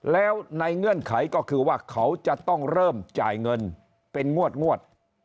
แล้วในเงื่อนไขก็คือว่าเขาจะต้องเริ่มจ่ายเงินเป็นงวด